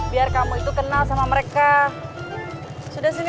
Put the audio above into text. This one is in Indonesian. biar kamu itu kenal sama mereka sudah sini